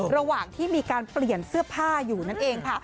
ระหว่างที่มีการเปลี่ยนเสื้อผ้าอยู่นั่นเองค่ะ